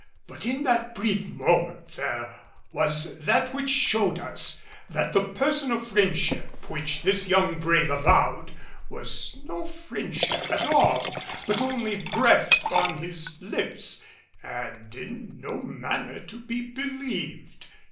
But in that brief moment there was that which showed us that the personal friendship which this young brave avowed was no friendship at all, but only breath upon his lips and in no manner to be believed.